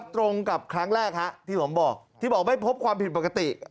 ตรงกับครั้งแรกที่ผมบอกที่บอกไม่พบความผิดปกติ